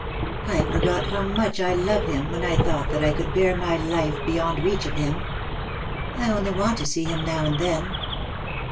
I forgot how much I love him when I thought that I could bear my life beyond reach of him. I only want to see him now and then."